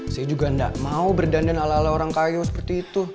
saya juga tidak mau berdandan ala ala orang kayu seperti itu